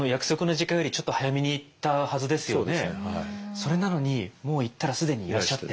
それなのにもう行ったら既にいらっしゃって。